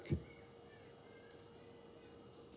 nah itu supporter yang baik